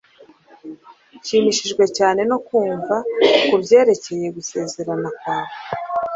Nshimishijwe cyane no kumva kubyerekeye gusezerana kwawe